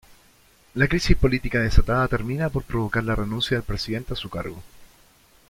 La crisis política desatada termina por provocar la renuncia del Presidente a su cargo.